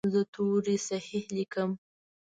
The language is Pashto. زه توري صحیح لیکم.